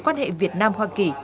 quan hệ việt nam hoa kỳ